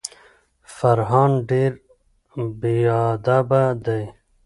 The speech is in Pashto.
فرهان ډیر بیادبه دی.